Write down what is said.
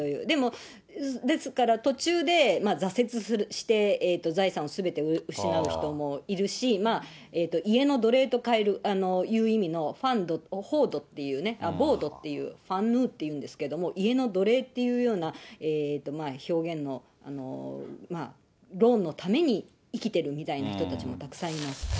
でも、ですから途中で挫折して、財産をすべて失う人もいるし、家の奴隷という意味のファンド、あっ、ボウドっていう、ファンヌウっていうんですけど、家の奴隷っていうような表現の、ローンのために生きてるみたいな人たちも、たくさんいます。